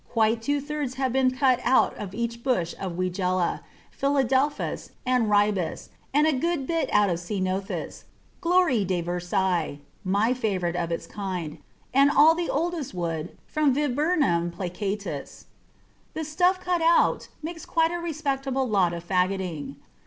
Quite two thirds have been cut out of each bush of Weigela, Philadelphus, and Ribes, and a good bit out of Ceanothus, "Gloire de Versailles," my favourite of its kind, and all the oldest wood from Viburnum plicatus. The stuff cut out makes quite a respectable lot of faggoting.